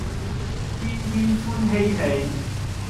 天天歡嬉戲